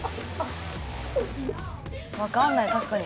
わかんない確かに。